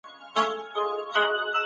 اوه تر څلورو زيات دي.